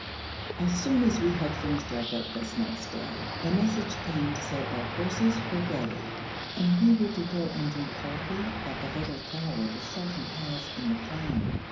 As soon as we had finished our breakfast next day, a message came to say our horses were ready, and we were to go and drink coffee at a little tower the sultan has in the plain.